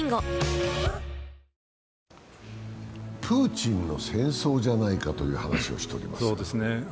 プーチンの戦争じゃないかという話をしております。